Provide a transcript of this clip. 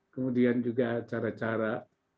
kemudian juga cara cara